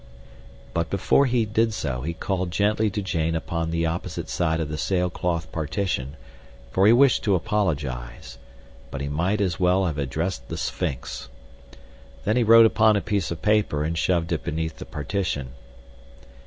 But before he did so he called gently to Jane upon the opposite side of the sailcloth partition, for he wished to apologize, but he might as well have addressed the Sphinx. Then he wrote upon a piece of paper and shoved it beneath the partition.